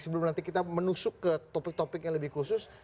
sebelum nanti kita menusuk ke topik topik yang lebih khusus